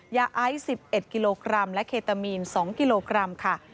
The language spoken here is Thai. ยาไอซ์๑๑กิโลกรัมและเคตามีน๒กิโลกรัมค่ะ